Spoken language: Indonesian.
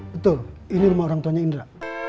betul ini rumah orang tuanya indra